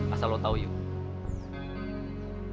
asal lo tau yuk